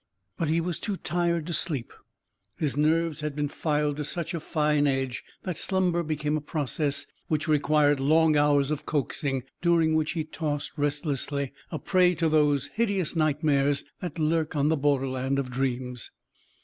But he was too tired to sleep. His nerves had been filed to such a fine edge that slumber became a process which required long hours of coaxing, during which he tossed restlessly, a prey to those hideous nightmares that lurk on the border land of dreams.